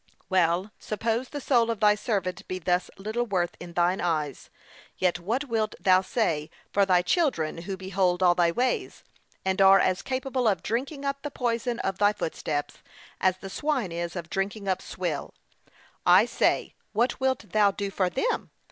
Well, suppose the soul of thy servant be thus little worth in thine eyes; yet what wilt thou say for thy children, who behold all thy ways, and are as capable of drinking up the poison of thy footsteps, as the swine is of drinking up swill: I say, what wilt thou do for them?